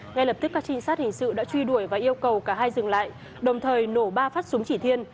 ngay lập tức các trinh sát hình sự đã truy đuổi và yêu cầu cả hai dừng lại đồng thời nổ ba phát súng chỉ thiên